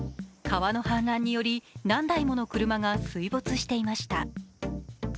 川の氾濫により何台もの車が水没していました。